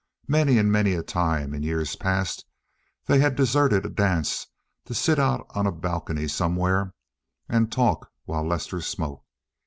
Many and many a time, in years past, they had deserted a dance to sit out on a balcony somewhere, and talk while Lester smoked.